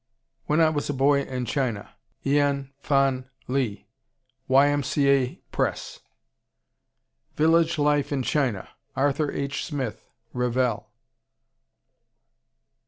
When I Was a Boy in China, Ian Phon Lee Y. M. C. A. Press. Village Life in China, Arthur H. Smith Revell.